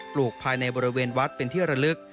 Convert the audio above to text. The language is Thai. ลูกภายในบริเวณวัดเป็นที่ระลึก